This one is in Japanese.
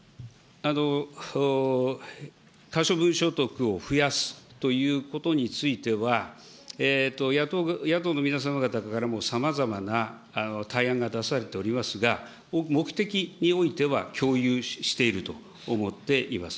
可処分所得を増やすということについては、野党の皆様方からもさまざまな対案が出されておりますが、目的においては共有していると思っています。